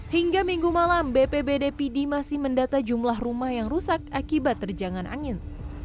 hingga minggu malam bpbd pidi masih mendata jumlah rumah yang rusak akibat terjangan angin